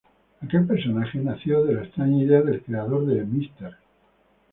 Aquel personaje nació de la extraña idea del creador de Mr.